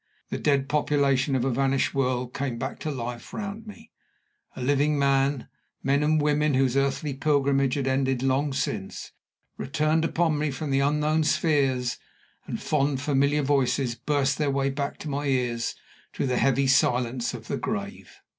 The dead population of a vanished world came back to life round me, a living man. Men and women whose earthly pilgrimage had ended long since, returned upon me from the unknown spheres, and fond, familiar voices burst their way back to my ears through the heavy silence of the grave.